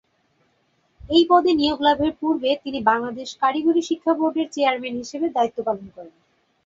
এই পদে নিয়োগ লাভের পূর্বে তিনি বাংলাদেশ কারিগরি শিক্ষা বোর্ডের চেয়ারম্যান হিসেবে দায়িত্ব পালন করেন।